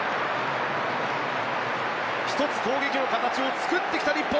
１つ、攻撃の形を作ってきた日本。